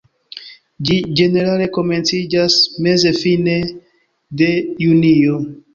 Ĝi ĝenerale komenciĝas meze-fine de junio.